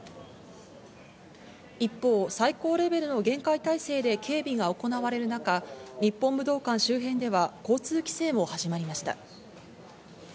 一方、最高レベルの厳戒態勢で警備が行われる中、日本武道館周辺では交通規制も始まりました。